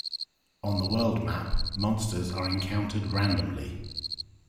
On the world map, monsters are encountered randomly.